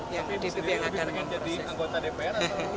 yang dpp yang akan diproses